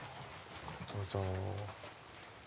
どうぞ。